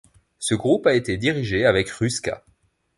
Ce groupe a été dirigé avec Ruska.